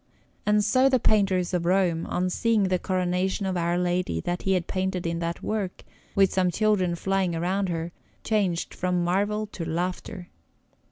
And so the painters of Rome, on seeing the Coronation of Our Lady that he had painted in that work, with some children flying around her, changed from marvel to laughter.